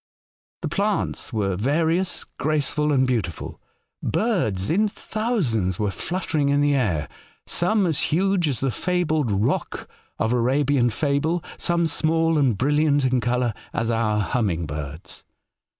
'* The plants were various, graceful, and beautiful. Birds in thousands were fluttering in the air, some as huge as the fabled ' Roc ' of Arabian fable, some small and brilliant in colour as our humming birds.